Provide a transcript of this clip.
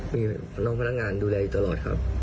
มีน้องพนักงานดูแลอยู่ตลอดครับ